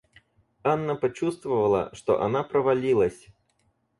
Анна почувствовала, что она провалилась.